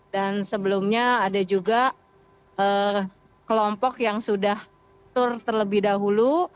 dan sebelumnya ada juga kelompok yang sudah tur terlebih dahulu